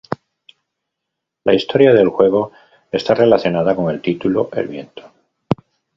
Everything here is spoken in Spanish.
La historia del juego está relacionada con el título El Viento.